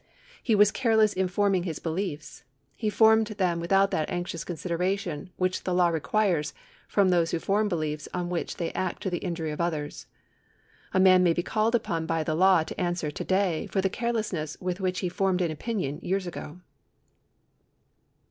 He was careless in forming his beliefs ; he formed them without that anxious considera tion which the law requires from those who form beliefs on Avhich they act to the injury of others. A man may be called upon by the law to answer to day for the carelessness with which he formed an opinion years ago.